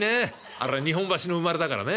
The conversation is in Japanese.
あれ日本橋の生まれだからね